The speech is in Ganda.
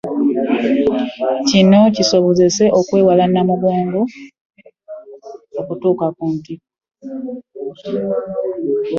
Kino kisobozese okwewala Namugongo division ku ntikko